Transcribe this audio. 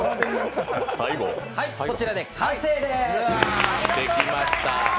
こちらで完成です。